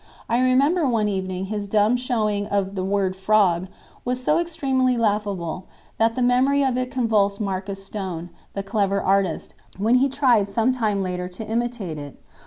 I remember one evening his dumb showing of the word "frog" was so extremely laughable that the memory of it convulsed Marcus Stone, the clever artist, when he tried some time later to imitate it.